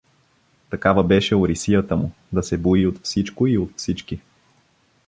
Такава беше орисията му, да се бои от всичко и от всички.